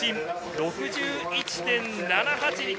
６１．７８。